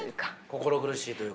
心苦しいというか。